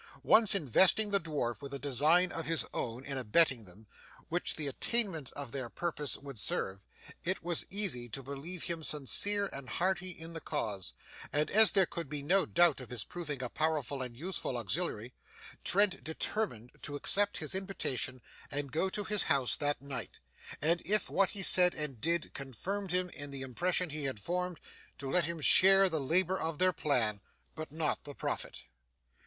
Once investing the dwarf with a design of his own in abetting them, which the attainment of their purpose would serve, it was easy to believe him sincere and hearty in the cause; and as there could be no doubt of his proving a powerful and useful auxiliary, Trent determined to accept his invitation and go to his house that night, and if what he said and did confirmed him in the impression he had formed, to let him share the labour of their plan, but not the profit.